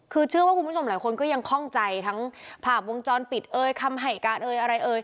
คือเชื่อว่าคุณผู้ชมหลายคนก็ยังคล่องใจทั้งภาพวงจรปิดเอ่ยคำให้การเอ่ยอะไรเอ่ย